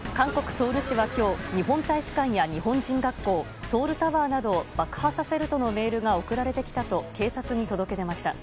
ソウル市は今日日本大使館や日本人学校ソウルタワーなどを爆破させるとのメールが送られてきたと警察に届け出ました。